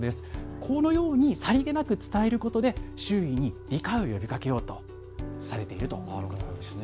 このようにさりげなく伝えることで周囲に理解を呼びかけようとされているということなんです。